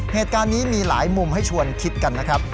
เหตุการณ์นี้มีหลายมุมให้ชวนคิดกันนะครับ